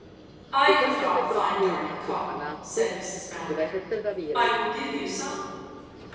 "I have got fine darning cotton," said Mrs. Mowbray. "I will give you some."